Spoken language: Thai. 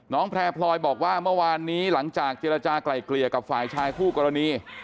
แพร่พลอยบอกว่าเมื่อวานนี้หลังจากเจรจากลายเกลี่ยกับฝ่ายชายคู่กรณี